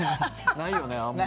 ないよねあんま。